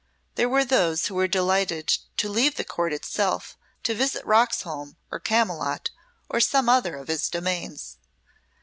There were those who were delighted to leave the Court itself to visit Roxholm or Camylott or some other of his domains.